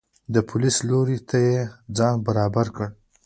د پولیس لوري ته یې ځان برابر کړ.